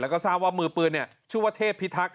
แล้วก็ทราบว่ามือปืนชื่อว่าเทพพิทักษ